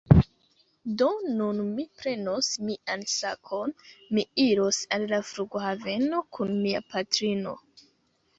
Do nun mi prenos mian sakon. Mi iros al la flughaveno kun mia patrino